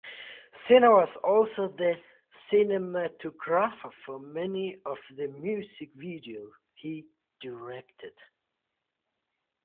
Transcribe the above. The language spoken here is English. Sena was also the cinematographer for many of the music videos he directed.